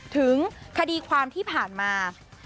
ถึงคดีความที่ผ่านมา